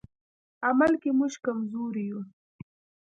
عمل کې موږ کمزوري یو.